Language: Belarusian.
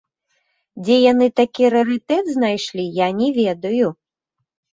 Дзе яны такі рарытэт знайшлі, я не ведаю.